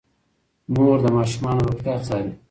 مور د ماشومانو روغتیا څاري.